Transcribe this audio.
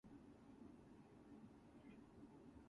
Jesus saw that they believed he would be healed.